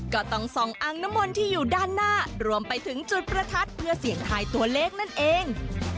ก็ต้องส่องอังน้ำมนต์ที่อยู่ด้านหน้ารวมไปถึงจุดประทัดเพื่อเสี่ยงทายตัวเลขนั่นเอง